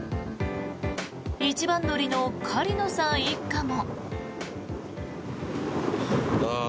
一番乗りの狩野さん一家も。